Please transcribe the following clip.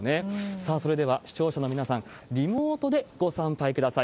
さあ、それでは視聴者の皆さん、リモートでご参拝ください。